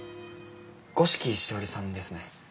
五色しおりさんですね。